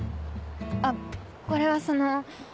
あっこれはその。